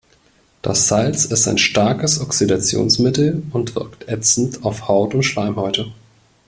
Das Salz ist ein starkes Oxidationsmittel und wirkt ätzend auf Haut und Schleimhäute.